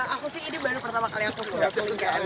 aku sih ini baru pertama kali aku snorkeling